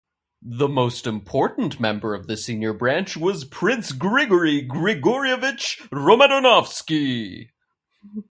The most important member of the senior branch was Prince Grigory Grigorievich Romodanovsky.